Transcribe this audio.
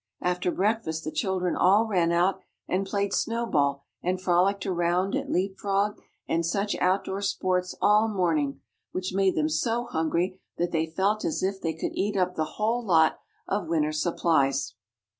After breakfast the children all ran out and played snowball and frolicked around at leap frog and such outdoor sports all morning, which made them so hungry that they felt as if they could eat up the whole lot of winter supplies.